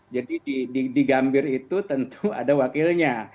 jadi di gambir itu tentu ada wakilnya